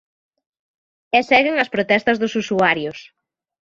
E seguen as protestas dos usuarios.